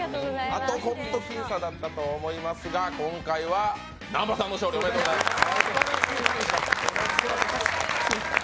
本当に僅差だったと思いますが今回は南波さんの勝利、おめでとうございます。